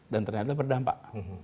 dan ternyata berdampak